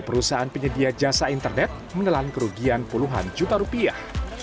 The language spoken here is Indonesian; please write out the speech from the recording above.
perusahaan penyedia jasa internet menelan kerugian puluhan juta rupiah